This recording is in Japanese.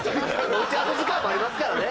打ち合わせ時間もありますからね。